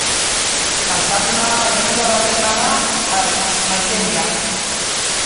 Maitasuna ohitura baldin bada, bai, maite diat.